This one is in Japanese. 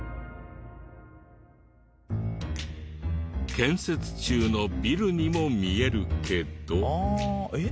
建設中のビルにも見えるけど。